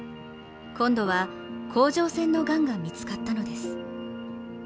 今度は甲状腺のがんが見つかったのです。